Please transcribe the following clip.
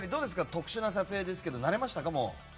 特殊な撮影ですけどもう慣れました？